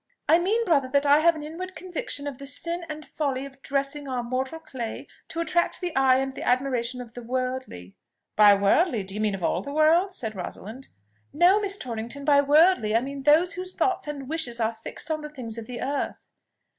"I mean, brother, that I have an inward conviction of the sin and folly of dressing our mortal clay to attract the eyes and the admiration of the worldly." "By worldly, do you mean of all the world?" said Rosalind. "No, Miss Torrington. By worldly, I mean those whose thoughts and wishes are fixed on the things of the earth."